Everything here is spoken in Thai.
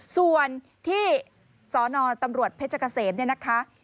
ส่วนที่สนตำรวจเพชรเกษมเนี่ยนะคะ